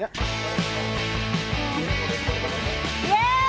mari ke sini kak